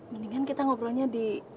mendingan kita ngobrolnya di